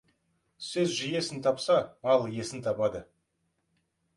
Сөз жүйесін тапса, мал иесін табады.